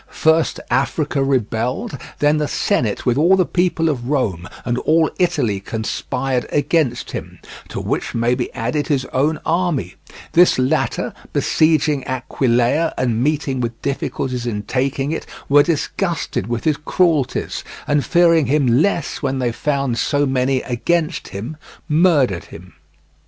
First Africa rebelled, then the Senate with all the people of Rome, and all Italy conspired against him, to which may be added his own army; this latter, besieging Aquileia and meeting with difficulties in taking it, were disgusted with his cruelties, and fearing him less when they found so many against him, murdered him.